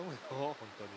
本当に。